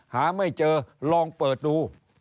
หาไม่เจอลองเปิดดู